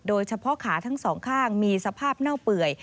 โดยเฉพาะขาทั้งสองข้างมีสภาพเน่าเปื่อย